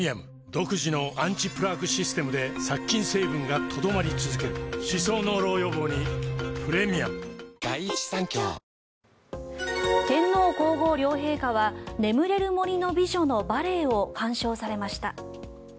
独自のアンチプラークシステムで殺菌成分が留まり続ける歯槽膿漏予防にプレミアム天皇・皇后両陛下は「眠れる森の美女」のバレエを鑑賞されました。